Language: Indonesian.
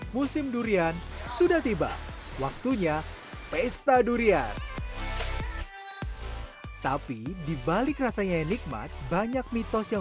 musim durian sudah tiba waktunya pesta durian tapi dibalik rasanya yang nikmat banyak mitos yang